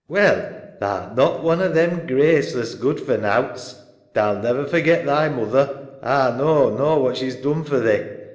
Well, tha art not one o' them graceless good for nowts. Tha'll never forget thy moother, A knaw, nor what she's done for thee.